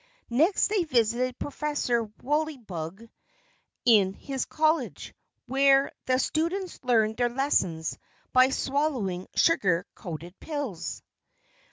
Next they visited Professor Wogglebug in his College, where the students learned their lessons by swallowing sugar coated pills.